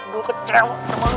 gue kecewa sama lo